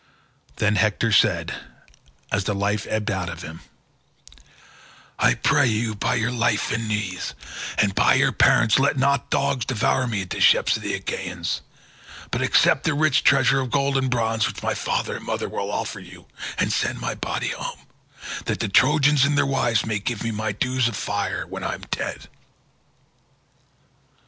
Then Hector said, as the life ebbed out of him, "I pray you by your life and knees, and by your parents, let not dogs devour me at the ships of the Achaeans, but accept the rich treasure of gold and bronze which my father and mother will offer you, and send my body home, that the Trojans and their wives may give me my dues of fire when I am dead."